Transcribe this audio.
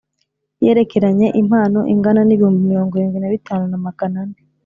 yerekeranye impano ingana n ibihumbi mirongo irindwi na bitanu na magana ane